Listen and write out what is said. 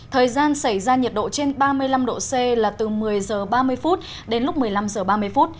thời gian xảy ra nhiệt độ trên ba mươi năm độ c là từ một mươi h ba mươi đến lúc một mươi năm h ba mươi